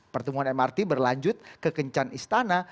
pertemuan mrt berlanjut ke kencan istana